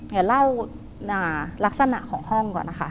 เดี๋ยวเล่าลักษณะของห้องก่อนนะคะ